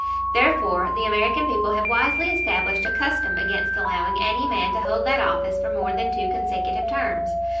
Therefore, the American people have wisely established a custom against allowing any man to hold that office for more than two consecutive terms.